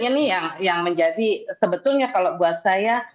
ini yang menjadi sebetulnya kalau buat saya